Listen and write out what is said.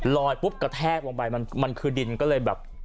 ลอยปุ๊บกระแทกวงใบมันมันคือดินก็เลยแบบ